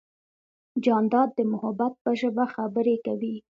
جانداد د محبت په ژبه خبرې کوي.